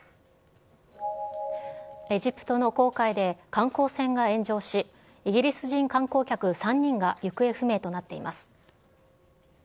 エジプトの紅海で、観光船が炎上し、イギリス人観光客３人が行方不明となっています。